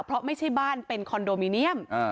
เพราะไม่ใช่บ้านเป็นคอนโดมิเนียม